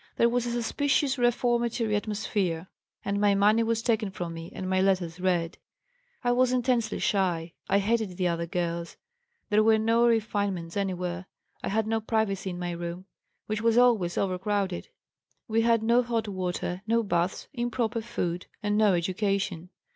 There was a suspicious reformatory atmosphere, and my money was taken from me and my letters read. "I was intensely shy. I hated the other girls. There were no refinements anywhere; I had no privacy in my room, which was always overcrowded; we had no hot water, no baths, improper food, and no education.